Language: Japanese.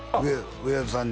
上田さんにね